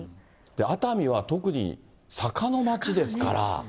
熱海は特に坂の町ですから。